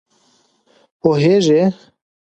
پوهېږې!